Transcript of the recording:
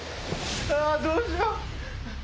あぁ、どうしよう。